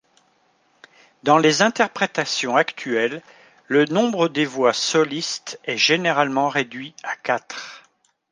Dans les interprétations actuelles, le nombre des voix solistes est généralement réduit à quatre.